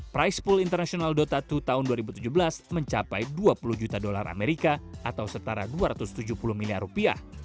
price pool international dota dua tahun dua ribu tujuh belas mencapai dua puluh juta dolar amerika atau setara dua ratus tujuh puluh miliar rupiah